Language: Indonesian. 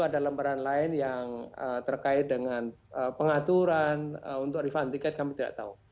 ada lembaran lain yang terkait dengan pengaturan untuk refund tiket kami tidak tahu